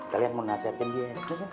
kalian mengasahkan dia